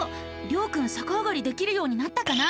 りょうくんさかあがりできるようになったかな？